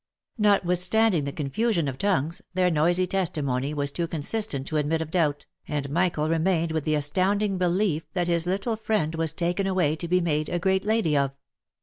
Notwithstanding the confusion of tongues, their noisy testimony was too consistent to admit of doubt, and Michael remained with the astounding belief that his little friend was taken away to be made a great lady of.